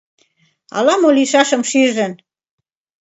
Ала-мо лийшашым шижын...